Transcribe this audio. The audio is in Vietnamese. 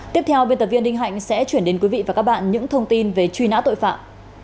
tiếp theo biên tập viên đinh hạnh sẽ chuyển đến quý vị và các bạn những thông tin về truy nã tội phạm